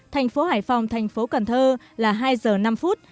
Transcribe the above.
thành phố hải phòng thành phố cần thơ là hai giờ năm phút